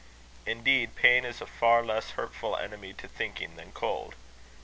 Indeed, pain is a far less hurtful enemy to thinking than cold.